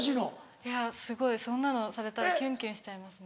いやすごいそんなのされたらキュンキュンしちゃいますね。